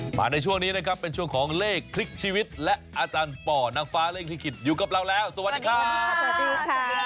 ในช่วงนี้นะครับเป็นช่วงของเลขคลิกชีวิตและอาจารย์ป่อนางฟ้าเลขลิขิตอยู่กับเราแล้วสวัสดีครับสวัสดีค่ะ